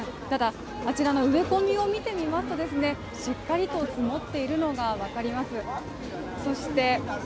ただ、あちらの植え込みを見てみますと、しっかりと積もっているのがわかります。